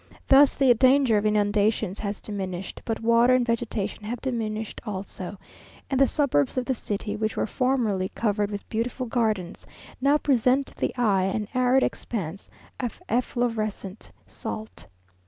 Thus the danger of inundations has diminished, but water and vegetation have diminished also, and the suburbs of the city, which were formerly covered with beautiful gardens, now present to the eye an arid expanse of efflorescent salt.